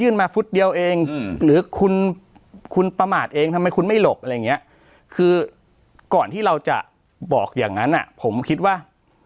มาฟุตเดียวเองหรือคุณคุณประมาทเองทำไมคุณไม่หลบอะไรอย่างเงี้ยคือก่อนที่เราจะบอกอย่างนั้นอ่ะผมคิดว่า